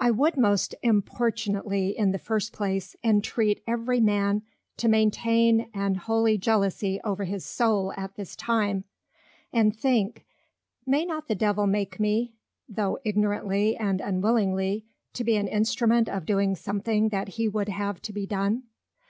I would most importunately in the first place, entreat every Man to maintain an holy Jealousie over his Soul at this time, and think; May not the Devil make me, though ignorantly and unwillingly, to be an Instrument of doing something that he would have to be done?